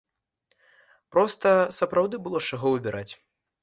Проста сапраўды было з чаго выбіраць.